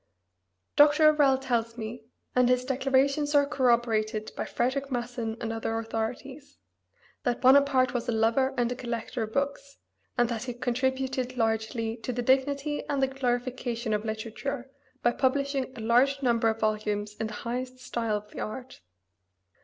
Dr. O'Rell tells me and his declarations are corroborated by Frederic Masson and other authorities that Bonaparte was a lover and a collector of books, and that he contributed largely to the dignity and the glorification of literature by publishing a large number of volumes in the highest style of the art.